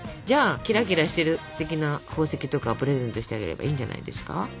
じゃあキラキラしてるステキな宝石とかプレゼントしてあげればいいんじゃないですか？